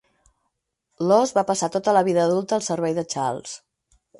Lawes va passar tota la vida adulta a el servei de Charles.